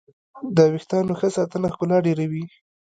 د ویښتانو ښه ساتنه ښکلا ډېروي.